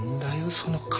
その顔。